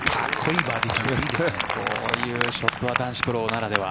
こういうショットは男子プロならでは。